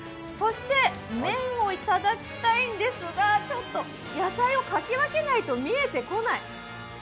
そして、麺をいただきたいんですがちょっと野菜をかき分けないと見えてこない！